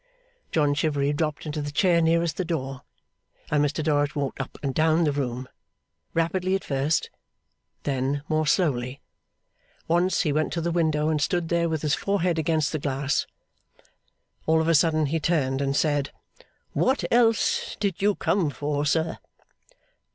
John Chivery dropped into the chair nearest the door, and Mr Dorrit walked up and down the room; rapidly at first; then, more slowly. Once, he went to the window, and stood there with his forehead against the glass. All of a sudden, he turned and said: 'What else did you come for, Sir?